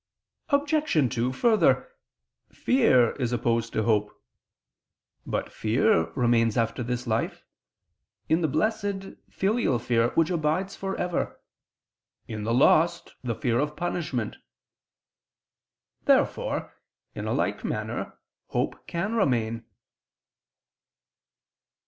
Obj. 2: Further, fear is opposed to hope. But fear remains after this life: in the Blessed, filial fear, which abides for ever in the lost, the fear of punishment. Therefore, in a like manner, hope can remain.